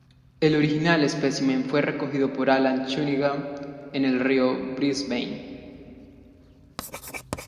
El original specimen fue recogido por Allan Cunningham en el Río Brisbane.